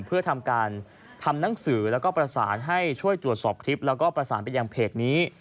เพื่อทำการทำหนังสือแล้วก็ประสานให้ช่วยตรวจสอบคลิปแล้วก็ประสานไปยังเพจนี้